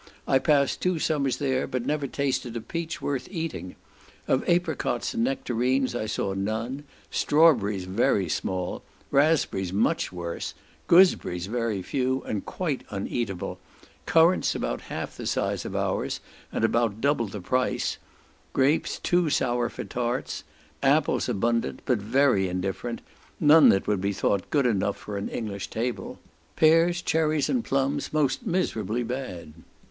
I passed two summers there, but never tasted a peach worth eating. Of apricots and nectarines I saw none; strawberries very small, raspberries much worse; gooseberries very few, and quite uneatable; currants about half the size of ours, and about double the price; grapes too sour for tarts; apples abundant, but very indifferent, none that would be thought good enough for an English table; pears, cherries, and plums most miserably bad.